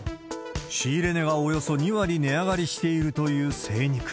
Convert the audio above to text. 仕入れ値がおよそ２割値上がりしているという精肉。